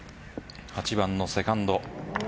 ８番のセカンド。